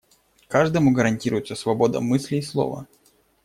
Каждому гарантируется свобода мысли и слова.